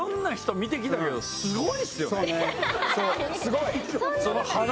すごい。